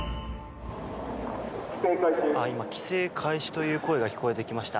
「規制開始」という声が聞こえました。